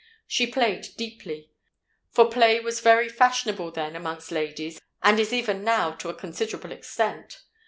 She played deeply—for play was very fashionable then amongst ladies, and is even now to a considerable extent.